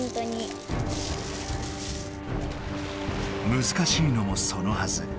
むずかしいのもそのはず